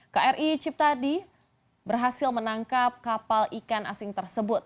kri cipta di berhasil menangkap kapal ikan asing tersebut